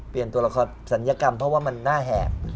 ตัวละครศัลยกรรมเพราะว่ามันหน้าแหบ